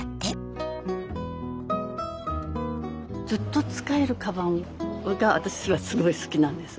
ずっと使えるかばんが私はすごい好きなんです。